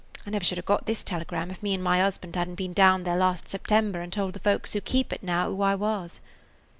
I never should have got this telegram if me and my husband hadn't been down there last September and told the folks who keep it now who I was."